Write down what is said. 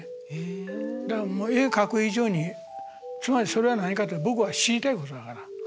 だから絵描く以上につまりそれは何かって僕が知りたいことだから。